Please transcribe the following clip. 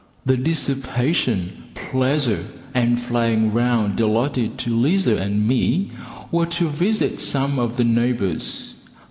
The dissipation, pleasure, and flying round allotted to "Lizer" and me were to visit some of the neighbours.